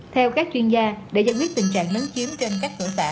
theo các chuyên gia để giải quyết tình trạng lớn chiếm trên các thử tả